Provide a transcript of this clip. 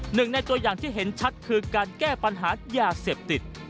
หนึ่งในตัวอย่างที่เห็นชัดคือการแก้ปัญหายาเสพติด